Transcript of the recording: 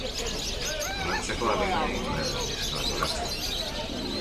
Ulertzeko ahalegina egin nuen, baina ez nuen ulertzen.